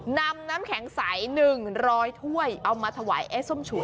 นำน้ำแข็งใสหนึ่งร้อยถ้วยเอามาถวายไอ้ส้มฉุน